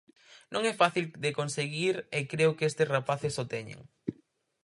Non é fácil de conseguir e creo que estes rapaces o teñen.